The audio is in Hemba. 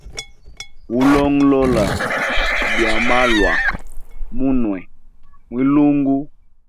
Ulongolola byamalwa munwe mwilungu.